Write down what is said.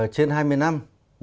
trên hai mươi năm